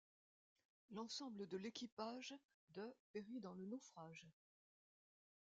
L'ensemble de l'équipage de périt dans le naufrage.